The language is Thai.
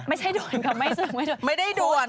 ไม่ใช่ด่วนค่ะไม่ได้ด่วน